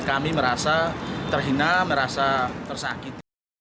kami merasa terhina merasa tersakiti